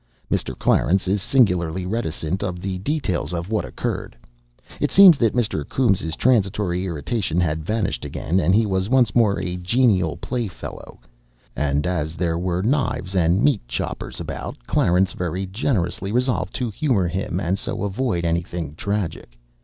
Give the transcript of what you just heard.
Mr. Clarence is singularly reticent of the details of what occurred. It seems that Mr. Coombes' transitory irritation had vanished again, and he was once more a genial playfellow. And as there were knives and meat choppers about, Clarence very generously resolved to humour him and so avoid anything tragic.